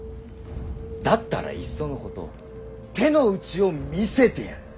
だったらいっそのこと手の内を見せてやる。